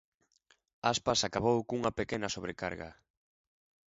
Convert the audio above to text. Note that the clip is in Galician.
Aspas acabou cunha pequena sobrecarga.